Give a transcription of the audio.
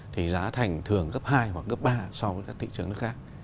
thì giá thành thường gấp hai hoặc gấp ba so với các thị trường nước khác